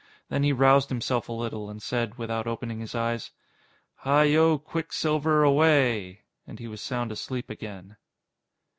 Then he roused himself a little, and said, without opening his eyes: "Hi yo, Quicksilver, away." And he was sound asleep again.